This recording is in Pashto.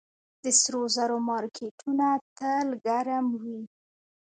د سرو زرو مارکیټونه تل ګرم وي